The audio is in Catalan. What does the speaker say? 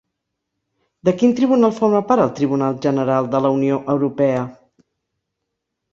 De quin tribunal forma part el Tribunal General de la Unió Europea?